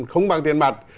không bằng tiền mặt